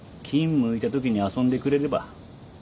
向いたときに遊んでくれれば。